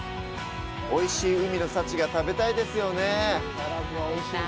おいしい海の幸が食べたいですよね。